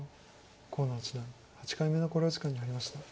河野八段８回目の考慮時間に入りました。